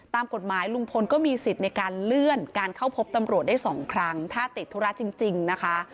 ตามกฎหมายลุงพลก็มีสิทธิ์ในการเลื่อนการเข้าพบตำรวจได้สองครั้งถ้าติดธุระจริงนะคะ